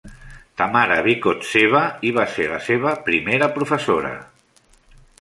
Tamara Vykhodtseva hi va ser la seva primera professora.